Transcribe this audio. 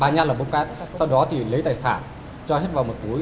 ba nhát là một cái xong đó thì lấy tài sản cho hết vào một túi